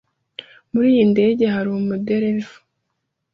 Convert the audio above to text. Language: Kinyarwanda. Muri iyi ndege hari umuderevu?